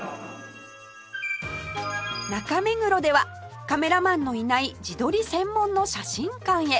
中目黒ではカメラマンのいない自撮り専門の写真館へ